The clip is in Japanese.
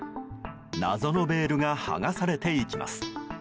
謎のベールが剥がされていきます。